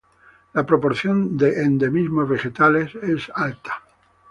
La proporción de endemismos vegetales es alta.